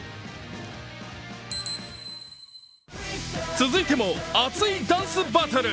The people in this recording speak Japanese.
続いても、熱いダンスバトル。